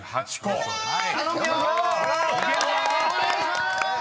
お願いしまーす！